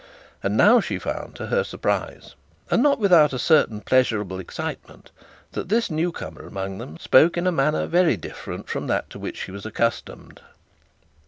And now she found to her surprise and not without a certain pleasurable excitement, that this new comer among them spoke in a manner very different from that to which she was accustomed.